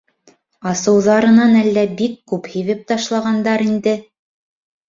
Асыуҙарынан әллә бик күп һибеп ташлағандар инде.